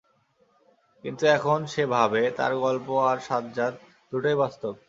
কিন্তু এখন সে ভাবে, তার গল্প আর সাজ্জাদ, দুটোই বাস্তব।